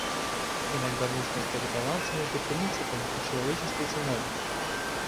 Иногда нужно искать баланс между принципами и человеческой ценой.